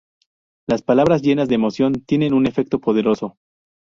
Las palabras llenas de emoción tienen un efecto poderoso.